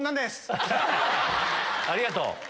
ありがとう。